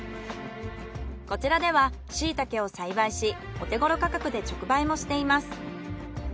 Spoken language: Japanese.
こちらではシイタケを栽培しお手頃価格で直売もしています。